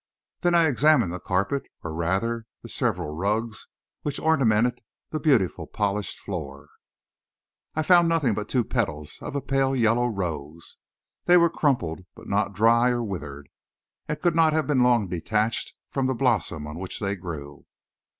Then I examined the carpet, or, rather, the several rugs which ornamented the beautiful polished floor. I found nothing but two petals of a pale yellow rose. They were crumpled, but not dry or withered, and could not have been long detached from the blossom on which they grew.